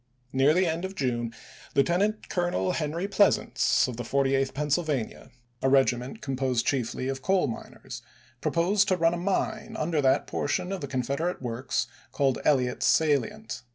Near the end of June Lieutenant Colonel Henry Pleasants of the Forty eighth Pennsylvania, a regiment composed chiefly of coal miners, proposed to run a mine under that part of the Confederate works called Elliott's salient.